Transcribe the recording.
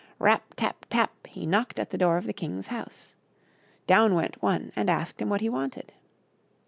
Rap ! tap ! tap ! he knocked at the door of the king's house. Down went one and asked him what he wanted.